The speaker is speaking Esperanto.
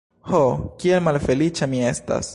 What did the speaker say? Ho kiel malfeliĉa mi estas!